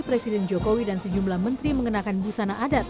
presiden jokowi dan sejumlah menteri mengenakan busana adat